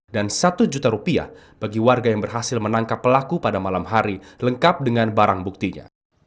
dan satu juta rupiah bagi warga yang berhasil menangkap pelaku pada malam hari lengkap dengan barang buktinya